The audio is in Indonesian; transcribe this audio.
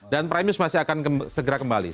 dan prime news masih akan segera kembali